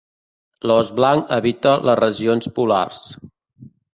L' os blanc habita les regions polars.